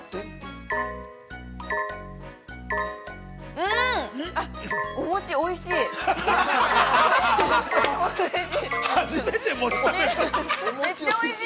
うーん、お餅、おいしい。